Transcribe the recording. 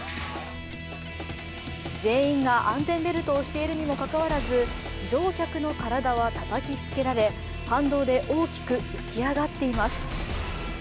全員が安全ベルトをしているにもかかわらず、乗客の体はたたきつけられ、反動で大きく浮き上がっています。